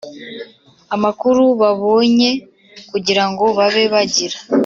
amakuru babonye kugira ngo babe bagira